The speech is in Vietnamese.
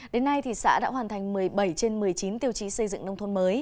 đến nay xã đã hoàn thành một mươi bảy trên một mươi chín tiêu chí xây dựng nông thôn mới